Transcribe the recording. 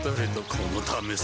このためさ